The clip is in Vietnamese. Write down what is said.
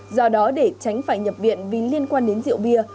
do đó để tránh phải nhập viện vì liên quan đến rượu bia